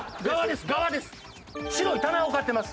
白い棚を買ってます。